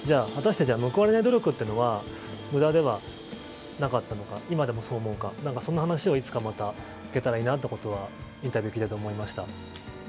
私たちは、報われない努力っていうのは無駄ではなかったのか今でもそう思うかそんな話をいつかまた聞けたらいいなとインタビューを聞いて思いました。